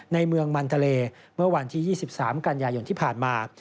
ในเมืองมันทะเลเมื่อวันที่๒๓กันยายนที่ผ่านมา